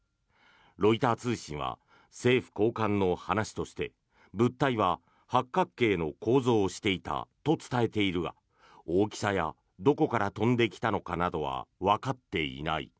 ロイター通信は政府高官の話として物体は八角形の構造をしていたと伝えているが大きさやどこから飛んできたかなどはわかっていない。